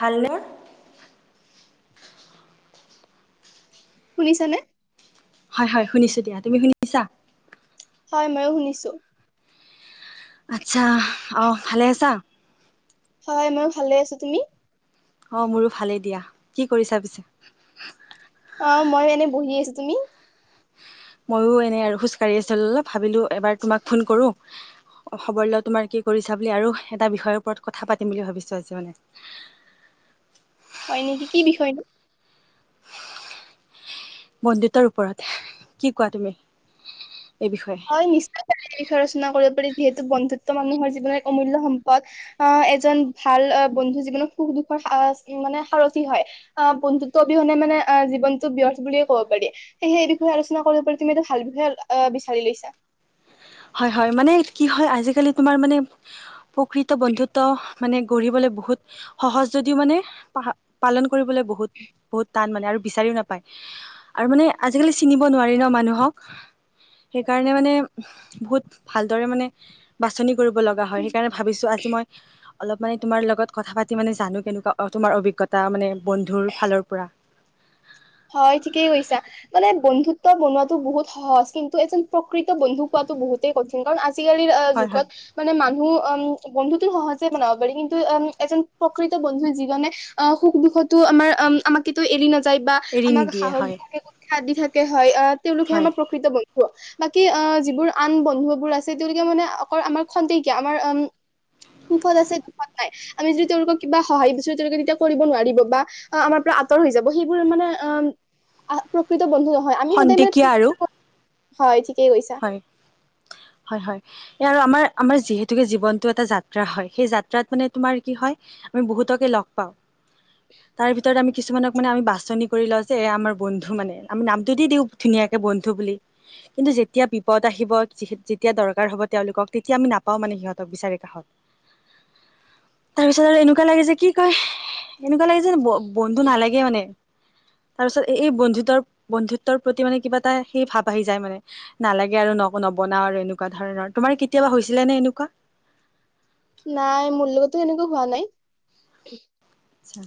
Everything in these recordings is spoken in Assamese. ভালনে? শুনিছ নে? হয় হয় শুনিছো দিয়া তুমি শুনি- ছা? হয় ময়ো শুনিছো। আচ্ছা আহ ভালে আছা? হয় মই ভালে আছো তুমি? অ মোৰো ভালেই দিয়া কি কৰিছা পিছে? অ মই এনে বহি আছো তুমি? ময়ো এনেই আৰু খোজকাঢ়ি আছিলো অলপ। ভাবিলোঁ এবাৰ তোমাক ফোন কৰোঁ। খবৰ ল তোমাৰ কি কৰিছা বুলি আৰু এটা বিষয়ৰ ওপৰত কথা পাতিম বুলি ভাবিছো আজি মানে। হয় নেকি কি বিষয়টো? বন্ধুত্বৰ ওপৰত কি কোৱা তুমি? এই বিষয়ে? হয় নিশ্চয় চ বিষয়ে ৰচনা কৰি- যিহেতু বন্ধুত্ব মানুহৰ জীৱনৰ অমূল্য সম্পদ আহ এজন ভাল বন্ধু জীৱনত সুখ দুখৰ মানে সাৰথী হয় আহ বন্ধুত্ব অবিহনে মানে আহ জীৱটো ব্যৰ্থ বুলিয় কব পাৰি স সেই বিষয়ে আলোচনা কৰিব পাৰি তুমিটো ভাল বিষয়ে- আহ ভাল লৈছা। হয় হয় মানে কি হয় আজিকালি তোমাৰ মানে- প্ৰকৃত বন্ধুত্ব- মানে গঢ়িবলৈ বহুত সহজ যদিও মানে পালন- কৰিবলৈ বহুত বহুত টান মানে আৰু- বিচাৰিও নাপায় আৰু মানে আজিকালি চিনিব নোৱাৰি ন মানুহক সেইকাৰণে মানে- বহুত ভালদৰে মানে বাছনি- কৰিব লগা হয় সেইকাৰণে ভাবিছো আজি মই- অলপ মানে তোমাৰ লগত কথা পাতি মানে জানো কেনেকুৱা তোমাৰ অভিজ্ঞতা মানে- বন্ধুৰ ফালৰ পৰা। হয়, ঠিকেই কৈছা মানে বন্ধুত্ব বনোৱাটো বহুত সহজ, কিন্তু এজন প্ৰকৃত বন্ধু পোৱাটো বহুতেই কঠিন কাৰণ আজি- আজিকালিৰ আ হয় হয় যুগত মানে মানুহ- ম বন্ধুতো সহজে বনাব পাৰি। কিন্তু উম এজন প্ৰকৃত বন্ধুই যিজনে অ সুখ দুখতো আমাৰ আ আমাক কেতিয়াও এৰি নাযায় বা- এৰি আমাক নিদিয়ে সাহস হয় দিয়ে- আদি থাকে হয়, অ- তেওঁলোকহে হয় আমাৰ প্ৰকৃত বন্ধু। বাকী আ যিবোৰ আন বন্ধু বোৰ আছে তেওঁলোকে মানে অকল আমাৰ খন্তেইকিয়া, আমাৰ উম সুখত আছে দুখত নাই আমি যদি তেওঁলোকক কিবা সহায় বিচাৰো তেওঁলোকে তেতিয়া কৰিব নোৱাৰিব বা আ আমাৰ পৰা আঁতৰ হৈ যাব সেইবোৰ মানে- উম আ প্ৰকৃত - বন্ধু নহয়, আমি সদায় মানে খন্তেকীয়া আৰু প্ৰকৃত বন্ধু- হয়, ঠিক হয়, হয়, হয়। এই আৰু আমাৰ -আমাৰ যিহেতুকে জীৱনতটো এটা যাত্ৰা হয়, সেই যাত্ৰাত মানে তোমাৰ কি হয় আমি বহুতকে লগ পাওঁ। তাৰ ভিতৰতে আমি কিছুমানক মানে আমি বাছনি কৰি লওঁ যে এইয়া আমাৰ বন্ধু মানে, আমি নামটো দি দিওঁ ধুনীয়াকে বন্ধু বুলি কিন্তু যেত যেতিয়া বিপদ আহিব, যি যেতিয়া দৰকাৰ হ'ব তেওঁলোকক তেতিয়া আমি নাপাওঁ মানে সিহঁতক বিচাৰে কাষত, তাৰপিছত আৰু এনেকুৱা লাগে যে কি কয় এনেকুৱা লাগে যে ব। বন্ধু নালাগে মানে তাৰপিছত এই-এই বন্ধুত্ব-বন্ধুত্বৰ প্ৰতি মানে কিবা এটা সেই ভাৱ আহি যায় মানে। নালাগে আৰু নক, নবনাও আৰু এনেকুৱা ধৰণৰ তোমাৰ কেতিয়াবা হৈছিলে নে এনেকুৱা? নাই, মোৰ লগতটো এনেকুৱা হোৱা নাই। আচ্ছা।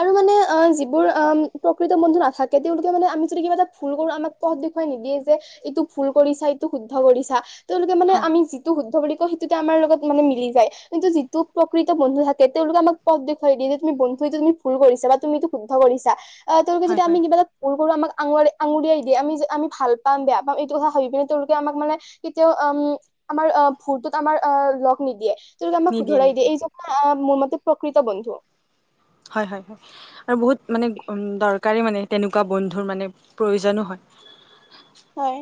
আৰু মানে অ, যিবোৰ অ, প্ৰকৃত বন্ধু নাথাকে তেওঁলোকে মানে আমি যদি কিবা এটা ভুল কৰো আমাক পথ দেখুৱাই নিদিয়ে যে, এইটো ভুল কৰিছা ঐইটো শুদ্ধ কৰিছা তেওঁলোকে মানে, হয় আমি যিটো শুদ্ধ বুলি সিটোতে আমাৰ লগত মানে মিলি যায়। কিন্তু যিটো প্ৰকৃত বন্ধু থাকে তেওঁলোকে আমাক পথ দেখুৱাই দিয়ে যে তুমি বন্ধু এইটো তুমি ভুল কৰিছা বা তুমি এইটো শুদ্ধ কৰিছা অহ, তেওঁলোকে যদি হয় হয় আমি কিবা এটা ভুল আমাক আঙুয়ালি-আঙুলিয়াই দিয়ে আমি যে আমি ভাল পাম, বেয়া পাম এইটো কথা ভাবি পিনে তেওঁলোকে আমাক মানে কেতিয়াও উম আমাৰ ভুলটোত আমাৰ আ লগ নিদিয়ে ত আমাক নিদিয়ে শুধৰাই দিয়ে নিদিয়ে এই যে মোৰ মতে প্ৰকৃত বন্ধু হয়, হয়, হয় আৰু বহুত মানে দৰকাৰী মানে তেনেকুৱা বন্ধুৰ মানে প্ৰয়োজনো হয় হয়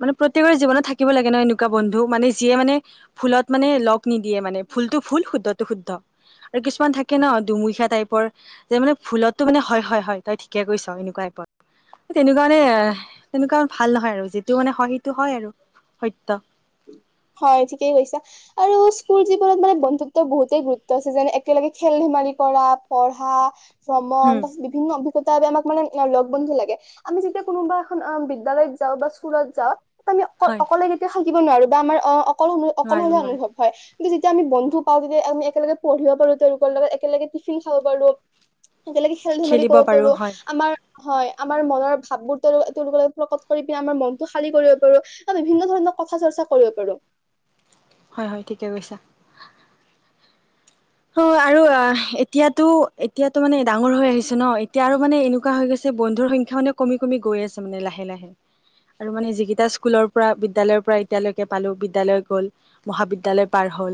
মানে প্ৰত্যেকৰে জীৱনত থাকিব লাগে ন এনেকুৱা বন্ধু। মানে, যিয়ে মানে ভুলত মানে লগ নিদিয়ে মানে ভুলতো ভুল, শুদ্ধটো শুদ্ধ আৰু কিছুমান থাকে ন, দুমুখীয়া টাইপৰ যে মানে ভুলতো মানে হয়, হয়, হয়, তই ঠিকে কৈছ' এনেকুৱা তাইপৰ তেনেকুৱা মানে, তেনেকুৱা ভাল নহয় আৰু টো মানে হয়টো হয় আৰু সত্য হয়, ঠিকেই কৈছা আৰু স্কুল জীৱনত মানে বন্ধুত্বৰ বহুতেই গুৰুত্ব আছে। যেনে একেলগে খেল ধেমালি কৰা, পঢ়া ভ্ৰমন হম তাৰ পাছত বিভিন্ন ত তাত আমাক মানে লগ বন্ধু লাগে, আমি যেতিয়া কোনোবা এখন অ, বিদ্যালয়ত যাওঁ বা স্কুলত যাওঁ আমি অকল হয় -অকলে কেতিয়া খা কিব' নোৱাৰো বা, আমাৰ অ, অ অকল নোৱাৰো অকলশৰীয়া নোৱাৰো অনুভৱ হয় কিন্তু যেতিয়া আমি বন্ধু পাওঁ তেতিয়া আমি একেলগে পঢ়িব পাৰো তেওঁলোকৰ লগত একেলগে টিফিন খাব পাৰো একেলগে খেলধেমালি খেলিব কৰিব পাৰো হয় আমাৰ হয়, আমাৰ মনৰ ভাব বোৰ তেওঁওলোকক প্ৰকট কৰি পিনে আমাৰ মনতটো খালী কৰিব পাৰো বা বিভিন্ন ধৰণৰ কথা চৰ্চা কৰিব পাৰো হয়, হয়, ঠিকে কৈছা অ, আৰু এতিয়াতো-এতিয়াতো মানে ডাঙৰ হৈ আহিছ ন এতিয়া আৰু মানে এনেকুৱা হৈ গৈছে বন্ধুৰ সংখ্যা মানে কমি-কমি গৈ আছে মানে লাহে-লাহে আৰু মানে যিকেইটা স্কুলৰ পৰা বিদ্যালয়ৰ পৰা এতিয়ালৈকে পালো বিদ্যালয় গ'ল মহাবিদ্যালয় পাৰ হ'ল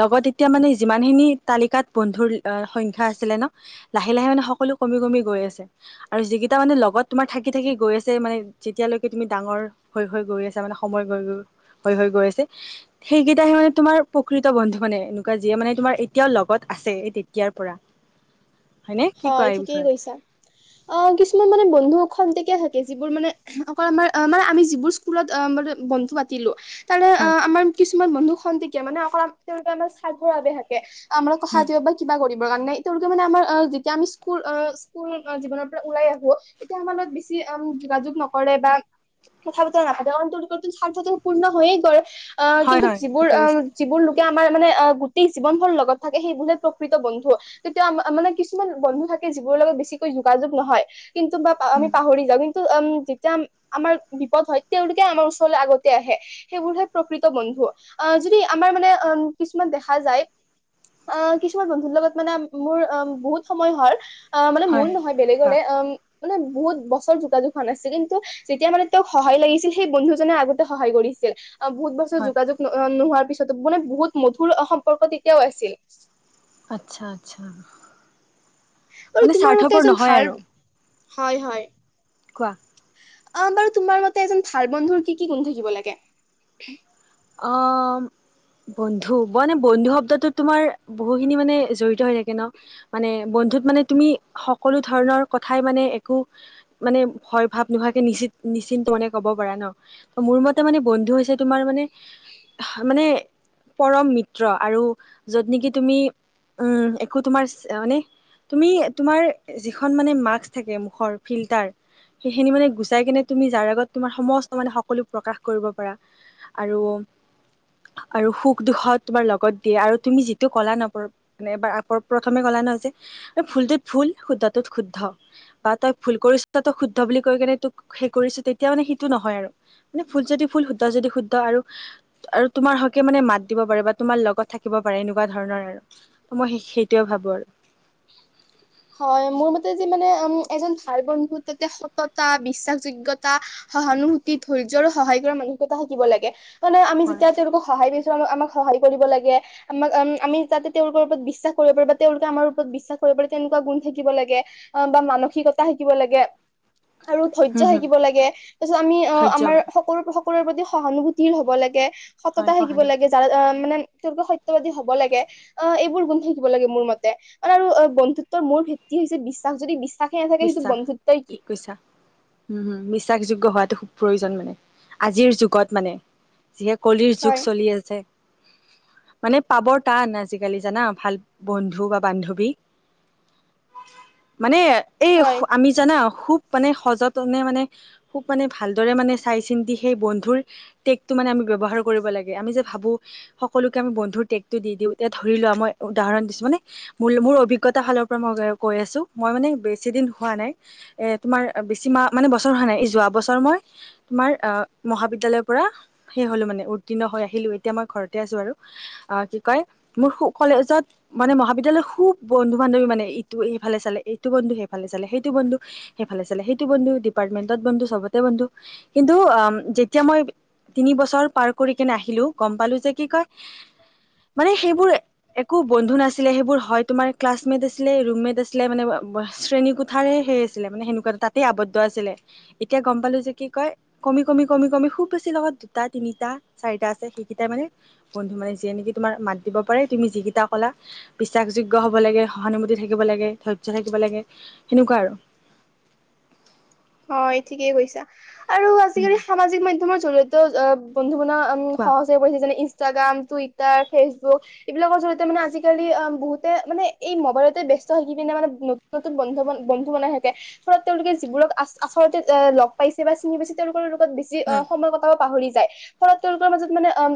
লগত এতিয়া মানে যিমানখিনি তালিকাত বন্ধু হৈ হৈ গৈ আছে সেইকেইটাহে মানে তোমাৰ প্ৰকৃত বন্ধু মানে এনেকুৱা যিয়ে মানে তোমাৰ এতিয়াও লগত আছে এই তেতিয়াৰ পৰা হয়নে কি হয় কোৱা এই ঠিকেই বিষয়ে কৈছা অ কিছুমান মানে বন্ধু খন্তেকীয়া থাকে যিবোৰ মানে অকল আমাৰ মানে আমি যিবোৰ স্কুলত মান বন্ধু পাতিলো তালে অ হয় আমাৰ কিছুমান বন্ধু খন্তেকিয়া মানে অকল তেওঁলোকে আমাৰ স্বাৰ্থৰ বাবে থাকে আমাৰ কাহা যাব কিবা কৰি [unintelligible] কাৰণে এ তেওঁে মানেম [unintelligible] এতিয়া আমি স্কুল স্কুল জীৱনৰ পৰা ওলাই আহো তেতিয়া আমাৰ লগত বেছিম যোগাযোগ নকৰে বা কথা বতৰা নাাপাতে কাৰণ তেওঁলোকৰ স্বাৰ্থত পূৰ্ণ হৈয়ে গৈল অ হয় কিন্তু হয় যিবোৰ ঠিকে কৈছে যিবোৰ তেতিয়া আমাৰ মানে অ গোটেই জীৱন ভৰ লগত থাকে সেই বুললে প্ৰকৃত বন্ধু তেতিয়া আম মানে কিছু কিছুমান বন্ধু থাকে যিবোৰ লগত বেছিকৈ যোগাযোগ নহয় কিন্তু বা আমি পাহৰি যাওঁ উম যেতিয়া আমাৰ বিপদ হয় তেওঁলোকে আমাৰ ওচৰলৈ আগতে আহে সেইবোৰহে প্ৰকৃত বন্ধু অহ যদি আমাৰ মানে অ কিছুমান দেখা যায় অহ কিছুমান বন্ধুৰ লগত মানে মোৰ বহুত সময় হল অ মানে হয় মোৰ হয় নহয় কোৱা বেলেগলে অ মানে বহুত বছৰ জোগা জোগ হৈৱা নাছিল কিন্তু যেতিয়া মানে তেওঁক সহায় লাগিছিল সেই বন্ধুজনে আগতে সহায় কৰিছিল অ বহুত বছৰ হয় যোগাোগ নহোৱাৰ তাৰপিছতো বোলে বহুত মধুৰ সম্পৰ্ক তেতিয়াও আছিল। আচ্ছা আচ্ছা। আৰু মানে তোমাৰ মতে স্বাৰ্থপৰ এজন নহয় ভাল আৰু হয় হয়। কোৱা অহ বাৰু তোমাৰ মতে এজন ভাল বন্ধুৰ কি কি গুণ থাকিব লাগে। অ বন্ধু মানে বন্ধু শব্দটোত তোমাৰ বহুখিনি মানে জৰিত হৈ থাকে। কিনো মানে বন্ধুত মানে তুমি সকলো ধৰণৰ কথাই মানে একো মানে ভয় ভাৱ নোভোৱাকে নিচি নিশ্চিন্ত মানে কব পাৰা ন ত মোৰ মতে মানে বন্ধু হৈছে তোমাৰ মানে মানে পৰম মিত্ৰ আৰু যত নেকি তুমি উম একো তোমাৰ মানে তুমি তোমাৰ যিখন মানে মাস্ক থাকে মুখৰ ফিল্টাৰ সেইখিনি মানে গুচাই কিনে তুমি যাৰ আগত তোমাৰ সমস্ত মানে সকলো প্ৰকাশ কৰিব পাৰা আৰু আৰু সুখ দুখত তোমাৰ লগত দিয়ে আৰু তুমি যিটো কলা নপ মানে এবাৰ আ প্ৰথমে কলা নহয় যে ফুলটোত ভুল শুদ্ধটোত শুদ্ধ বা তই ভুল কৰিছ তই শুদ্ধ বুলি কৈ কেনে তোক সেই কৰিছ তেতিয়া মানে সেইটো নহয় আৰু মানে ফুল যদি ফুল শুদ্ধ যদি শুদ্ধ আৰু আৰু তোমাৰ হকে মানে মাত দিব পাৰে বা তোমাৰ লগত থাকিব পাৰে এনেকুৱা ধৰণৰ আৰু ত মই সেইটোয়ে ভাবো আৰু। হয় মোৰ মতে যে মানে উম এজন ভাল বন্ধুত তাতে সততা বিশ্বাসযোগয়তা সহানুভূতি ধৈৰ্য আৰু সহায় কৰা মানুহকতটা থাকিব লাগে মানে আমি হয় যেতিয়া তেওঁলো সহায় আমাক সহায় কৰিব লাগে আমাকম আমি তাতে তেওঁলোকৰ ওপৰত বিশ্বাস কৰিব পাৰি বা তেওঁলোকে আমাৰ ওপৰত বিশ্বাস কৰিব পাৰি তেনেকুৱা গুণ থাকিব লাগে অ বা মানসিকতা থাকিব লাগে আৰু ধৈৰ্য্য হম হম থাকিব লাগে তাৰ পিছত আমি অ ধৈৰ্য্য আমাৰ মানে সকলো প্ৰতি সহানুভূতিৰ হ'ব লাগে। হয় সততা শিকিব লাগে সহানুভূতি যাৰ অ মানে ৰ্গ সত্যবাদী হব লাগে অ এইবোৰ গুন্ধ থাকিব লাগে মোৰ মতে আৰু অ বন্ধুত্ব মোৰ ভিত্তি হৈছে বিশ্বাস যদি বিশ্বাস বিশ্বাস ঠিক কৈছা উম হম। বিশ্বাসযোগ্য হোৱাাতটো খুব প্ৰয়োজন মানে আজিৰ যুগত মানে। যিহে কলিৰ যুগ হয় চলি আছে। মানে পাবৰ টান আজিকালি জানা ভাল বন্ধু বা বান্ধৱী মানে। এই হয় আমি জানা খুব মানে সযতনে মানে খুব মানে ভালদৰে মানে চাই চিন্তি সেই বন্ধুৰ টেকটো মানে আমি ব্যৱহাৰ কৰিব লাগে, আমি যে ভাবো সকলোকে আমি বন্ধুৰ টেকতটো দি দিওঁ এতিয়া ধৰি লোৱা মই উদাহৰণ দিছো মানে মোৰ মোৰ অভিজ্ঞতাৰ ফালৰ পৰা মই কৈ আছো মই মানে বেছি দিন হোৱা নাই এ তোমাৰ বেছি মাহ মানে বছৰ হোৱা নাই যোৱা বছৰ মই তোমাৰ আহ মহাবি্য়ালয়ৰ পৰা সেই হলো মানে উত্তীৰ্ণ হৈ আহিলো এতিয়া মই ঘৰতে আছো আৰু অ কি কয় মোৰু কলেজত মানে মহাবিদ্যালয় খুব বন্ধু বান্ধৱী মানে ইটো সফালে চালে এইটো বন্ধু সে সালেে সেইটো বন্ধু সেইফালে চালে সেইটো বন্ধু ডিপাৰ্টমেন্টত বন্ধু চবতে বন্ধু কিন্তু অ যেতিয়া মই তিনি বছৰ পাৰ কৰি কিনে আহিলো গম পালো যে কি কয় মানে সেইবোৰ একো বন্ধু নাছিলে সেইবোৰ হয় তোমাৰ ক্লাচমেট আছিলে ৰুমেট আছিলে মানে। শ্ৰেণী কোঠাৰে সেই আছিলে মানে সেনেকুৱা তাতেই আৱদ্ধ আছিলে এতিয়া গম পালো যে কি কয় কমি কমি কমি কমি খুব বেছি লগত দুটা তিনিটা চাৰিটা আছে সেইকেইটাই মানে বন্ধু মানে যিয়ে নেকি তোমাৰ মাত দিব পাৰে তুমি যিকেইটা কলা বিশ্বাসযোগ্য হব লাগে সহানুভূতি থাকিব লাগে ধৈৰ্য থাকিব লাগে। সেনেকুৱা আৰু। অ এই ঠিকেই কৈছা। আৰু আজিকালি সামাজিক মাধ্যমৰ জৰিতে অ বন্ধু প উম কোৱা সহজে পৰিছে যেনে ইছ ইষ্টাগ্ৰাম টুইটাৰ ফেচবুক এইবিলাকৰ জৰিয়তে মানে আজিকালি বহুতে মানে এই মোবাইলতে ব্যস্ত থিকি পিনে মানে নতুন নতুন বন্ধু বন্ধু বনাই থাকে ফলত তেওঁলোকে যিবোৰক আ আচলতে লগ পাইছে বা চিনি পাইছে তেওঁলোকৰ বেছি অ সময় কটাও পাহৰি যায়। যায় ফলত তেওঁলোকৰ মাজত মানে অ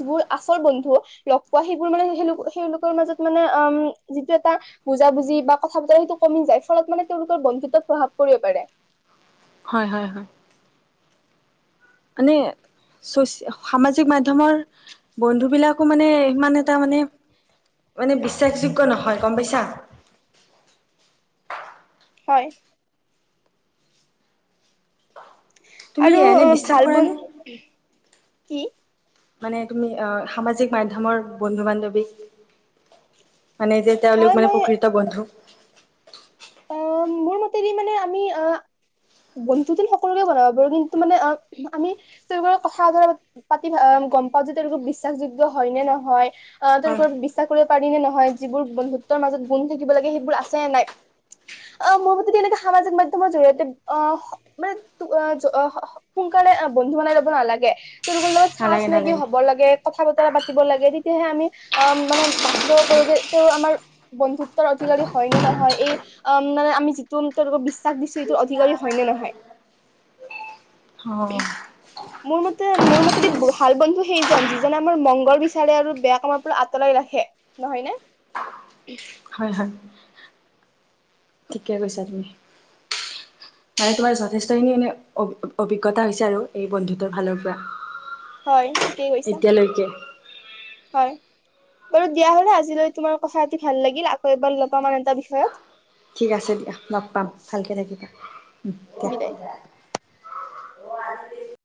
যিবোৰ আচৰ বন্ধু লগ পোৱা সেইবোৰ মানেোক সেইলোকৰ মাজত মানে অম যিটো এটা বুজা বুজি বা কথা বতৰা সেইটো কমি যায় ফলত মানে তেওঁলোকৰ বন্ধুত্বত প্ৰভাৱ পৰি পাৰে। হয় হয় হয়। মানে সামাজিক মাধ্যমৰ বন্ধু বিলাকো মানে ইমান এটা মানে মানে বিশ্বাসযোগ্য নহয় গম পাইছা। হয়। তুমি আৰু এনে অ বিশ্বাস ভাল কৰা বোন নে কি? মানে, তুমি আহ সামাজিক মাধ্যমৰ বন্ধু বান্ধৱীক মানে যে তেওঁল হয় মানে মই পুখীৰীত বন্ধু অ মোৰ মতেদি মানে আমি অ বন্ধু দ সকলোকে বনাব পাৰো কিন্তু মানে অ আমি তেওঁলোকৰ কথাতৰা পাতি গম পাও যে তেওঁলোকৰ বিশ্বাসযোগ্য হয় নে নহয় আহ হয় তেওঁলোকৰ বিশ্বাস কৰিব পাৰি নে নহয় যিবোৰ বন্ধুত্বৰ মাজত গুণ থাকিব লাগে সেইবোৰ আছেে নাই অ মোৰ মতে এনেকে সামাজিক মাধ্য়মৰ জৰিয়তে আহ মানে সোনকালে বন্ধু বনাই লব নালাগে। তেওঁৰলোকৰ লগত চা নালাগে চিনাকি নালাগে হ'ব লাগে। কথা বতৰা পাতিব লাগে। তেতিয়াহে আমি অ মানে বাছি লব পাৰো যে তেওঁ আমাৰ বন্ধুত্বৰ অধিকাৰী হয় নে নহয় এই উ মানে আমি যিটো তেওঁলোকক বিশ্বাস দিছো সটো অধিকাৰী হয় ন নহয়। অ মোৰ মতে মোৰ মতেদি ভাল বন্ধু সেইজন যিজনে আমাৰ মংগল বিচাৰে আৰু বেয়া কামাৰ পৰা আঁতৰাই ৰাখে নহয় নে হয় হয় ঠিকে কৈছা তুমি। মান তোমাৰ যথেষ্টখিনি এ অভিজ্ঞতা হৈছে আৰু এই বন্ধুতৰ ফালৰ পৰা হয়, ঠিকেই কৈছা। এতিয়ালৈকে হয় বাৰু দিয়া হলে আজৈ তোমাৰ কথাতি ভাল লাগিল আকৌ এবাৰ লাম আন এটা বিষয়ত। ঠিক আছে দিয়া। লগ পাম ভালকৈ থাকিবা দিয়া। বিদায়